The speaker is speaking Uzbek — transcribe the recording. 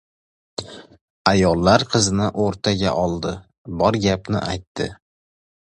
Ayollar qizni o‘rtaga oldi. Bor gapni aytdi.